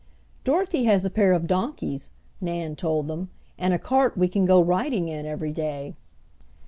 "Dorothy has a pair of donkeys," Nan told them, "and a cart we can go riding in every day."